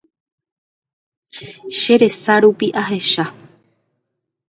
Che resa rupi ahecha.